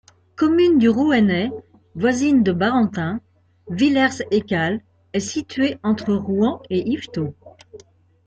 Commune du Rouennais voisine de Barentin, Villers-Écalles est située entre Rouen et Yvetot.